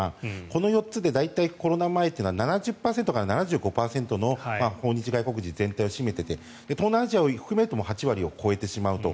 この４つで、大体コロナ前は７０％から７５％の訪日外国人全体を占めてて東南アジアを含めると８割を超えてしまうと。